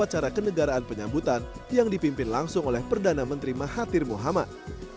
ketika dikendara kembali jokowi dodo menemukan penyambutan yang dipimpin langsung oleh perdana menteri mahathir muhammad